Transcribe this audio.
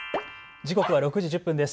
時刻は６時１０分です。